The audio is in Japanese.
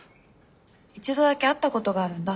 一度だけ会ったことがあるんだ